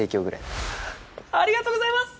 ありがとうございます！